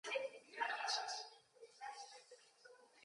The low freeboard is raised midship through the starboard.